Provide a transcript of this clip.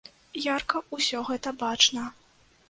Ярка ўсё гэта бачна.